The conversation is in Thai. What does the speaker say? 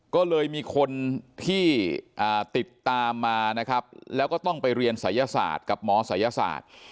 ก็เลยมีคนที่ติดตามมานะครับแล้วก็ต้องไปเรียนศัยศาสตร์กับหมอศัยศาสตร์